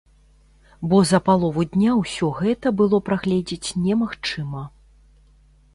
Бо за палову дня ўсё гэта было прагледзець немагчыма.